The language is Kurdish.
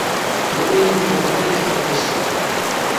Li Êlihê dozgerekî xwe kuşt.